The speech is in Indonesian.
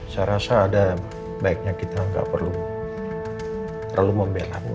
saya rasa ada baiknya kita gak perlu terlalu membelamu